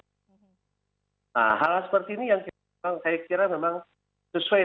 nah hal seperti ini yang saya kira memang sesuai